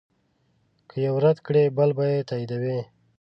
که یو رد کړې بل به یې تاییدوي.